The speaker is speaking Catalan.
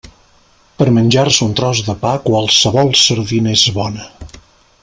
Per a menjar-se un tros de pa, qualsevol sardina és bona.